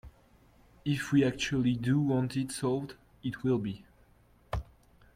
If we actually do want it solved, it will be.